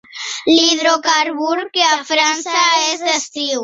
L'hidrocarbur que a França és d'estiu.